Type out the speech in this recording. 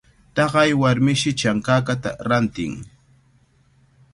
Taqay warmishi chankakata rantin.